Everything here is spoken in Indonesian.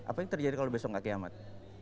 apa yang terjadi kalau besok kak kiamat